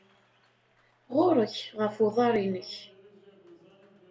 Ɣur-k ɣef uḍar-inek.